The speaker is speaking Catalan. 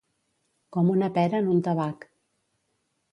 Com una pera en un tabac.